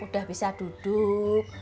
udah bisa duduk